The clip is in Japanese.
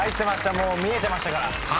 もう見えてましたから。